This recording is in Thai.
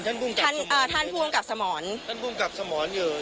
ท่านผู้กำกับสมอนท่านผู้กำกับสมอนท่านผู้กำกับสมอนอยู่